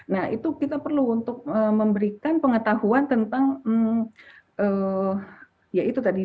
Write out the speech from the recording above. nah itu kita perlu untuk memberikan pengetahuan tentang ya itu tadi